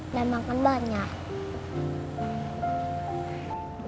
udah makan banyak